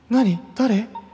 誰？